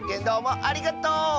どうもありがとう！